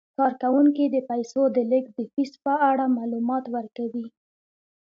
کارکوونکي د پیسو د لیږد د فیس په اړه معلومات ورکوي.